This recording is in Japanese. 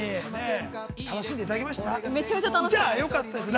楽しんでいただけましたか。